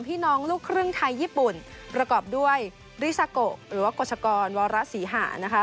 ลูกครึ่งไทยญี่ปุ่นประกอบด้วยริซาโกหรือว่ากฎชกรวรศรีหานะคะ